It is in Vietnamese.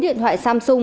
bốn điện thoại samsung